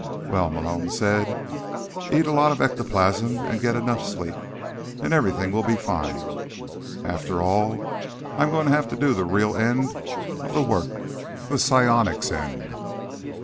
"Well," Malone said, "eat lots of ectoplasm and get enough sleep, and everything will be fine. After all, I'm going to have to do the real end of the work, the psionics end.